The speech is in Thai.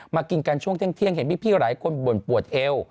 กินกันช่วงเที่ยงเห็นพี่หลายคนบ่นปวดเอว